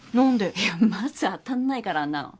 いやまず当たんないからあんなの。